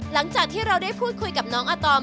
หลังจากที่เราได้พูดคุยกับน้องอาตอม